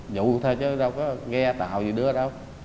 dụ thôi chứ đâu có nghe tàu gì đưa đâu